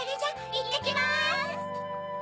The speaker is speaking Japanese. いってきます。